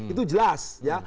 itu jelas ya